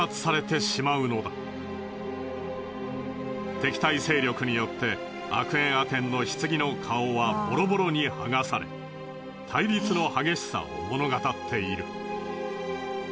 敵対勢力によってアクエンアテンの棺の顔はボロボロにはがされ対立の激しさを物語っている。